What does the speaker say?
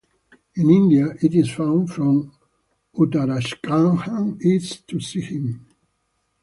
In India it is found from Uttarakhand east to Sikkim.